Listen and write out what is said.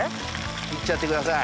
いっちゃってください。